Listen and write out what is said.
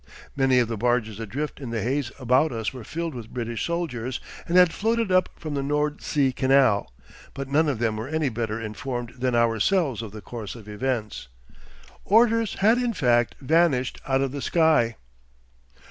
Many of the barges adrift in the haze about us were filled with British soldiers and had floated up from the Nord See Canal, but none of them were any better informed than ourselves of the course of events. "Orders" had, in fact, vanished out of the sky.